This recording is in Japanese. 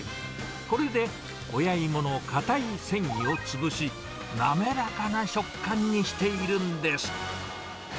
これで親芋の硬い繊維を潰し、滑らかな食感にしているんです。